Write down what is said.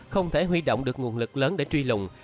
không thể huy động được nguồn lực lớn để truy lùng